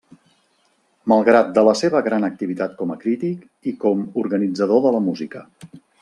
Malgrat de la seva gran activitat com a crític, i com organitzador de la música.